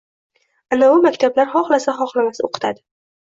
Anovi maktablar xohlasa-xohlamasa o‘qitadi.